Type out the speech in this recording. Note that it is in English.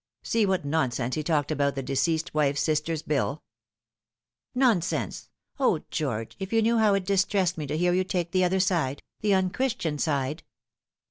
See what nonsense he talked about the Deceased Wife's Sister's Bill." " Nonsense ! O, George, if you knew how it distressed me to hear you take the other side the unchristian side